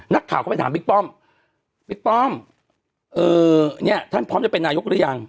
นักข่าวก็ไปถามบิ๊กป้อมบิ๊กป้อมเอ่อเนี่ยท่านพร้อมจะเป็นนายกหรือยัง